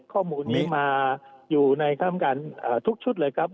ข้อมูลนี้มาอยู่ในคำการทุกชุดเลยครับ